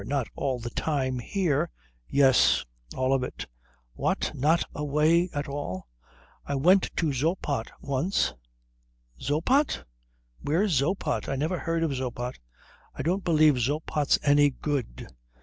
Not all the time here?" "Yes, all of it." "What, not away at all?" "I went to Zoppot once." "Zoppot? Where's Zoppot? I never heard of Zoppot. I don't believe Zoppot's any good.